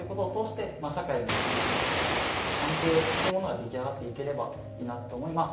投票ってことを通して社会に関心を持ったりとか、関係というものが出来上がっていければいいなと思います。